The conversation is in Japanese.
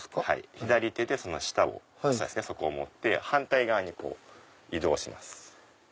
左手でその下を持って反対側に移動します。